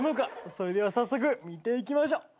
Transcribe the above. それでは早速見ていきましょう。